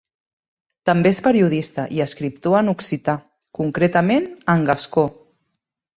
També és periodista i escriptor en occità, concretament en gascó.